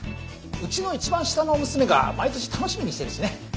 うちの一番下の娘が毎年楽しみにしてるしね。